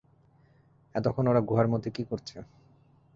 এতক্ষণ ওরা গুহার মধ্যে কী করছে?